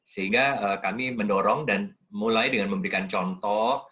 sehingga kami mendorong dan mulai dengan memberikan contoh